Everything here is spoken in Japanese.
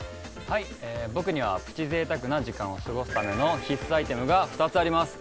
僕にはプチ贅沢な時間を過ごすための必須アイテムが２つあります